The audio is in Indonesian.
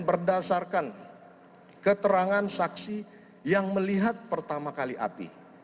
berdasarkan keterangan saksi yang melihat pertama kali api